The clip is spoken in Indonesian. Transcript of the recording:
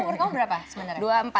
tahun berapa sebenarnya